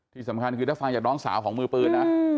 ที่สำคัญคือถ้าฟังจากน้องสาวของมือปืนนะ